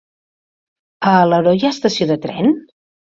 A Alaró hi ha estació de tren?